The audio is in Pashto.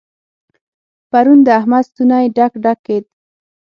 پرون د احمد ستونی ډک ډک کېد.